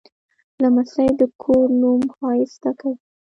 لمسی د کور نوم ښایسته کوي.